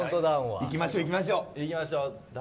いきましょう、いきましょう。